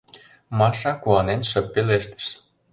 — Маша куанен шып пелештыш.